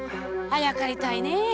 あやかりたいねぇ。